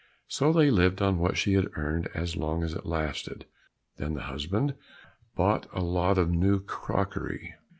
So they lived on what she had earned as long as it lasted, then the husband bought a lot of new crockery.